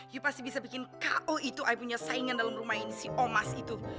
yo pasti bisa bikin ko itu punya saingan dalam rumah ini si omas itu